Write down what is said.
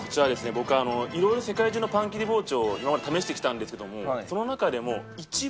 僕はいろいろ世界中のパン切り包丁を今まで試してきたんですけども。